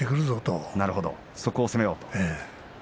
そこを攻めようと。